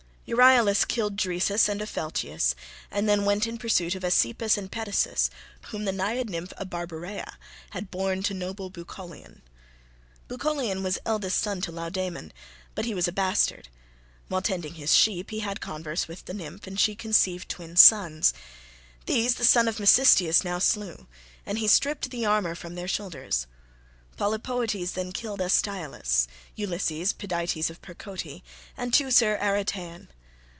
Euryalus killed Dresus and Opheltius, and then went in pursuit of Aesepus and Pedasus, whom the naiad nymph Abarbarea had borne to noble Bucolion. Bucolion was eldest son to Laomedon, but he was a bastard. While tending his sheep he had converse with the nymph, and she conceived twin sons; these the son of Mecisteus now slew, and he stripped the armour from their shoulders. Polypoetes then killed Astyalus, Ulysses Pidytes of Percote, and Teucer Aretaon.